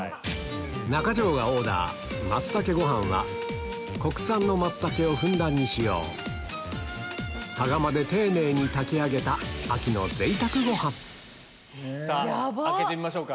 中条がオーダー国産の松茸をふんだんに使用羽釜で丁寧に炊き上げた秋の贅沢ご飯開けてみましょうか。